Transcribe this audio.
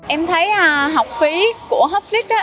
em thấy học phí của hufflix